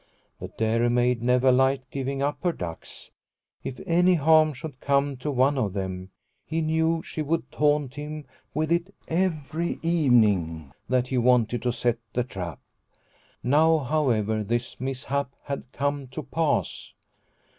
The dairymaid never liked giving up her ducks. If any harm should come to one of them, he knew she would taunt him with it every evening that he wanted to set the trap. Now, however, this mishap had come to pass.